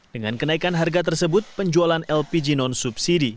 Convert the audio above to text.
dengan kenaikan harga tersebut penjualan lpg non subsidi